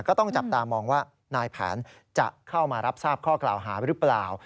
ก็ต้องจับตามองว่านายแผนจะเข้ามารับทราบข้อกล่าวหาหรือเปล่า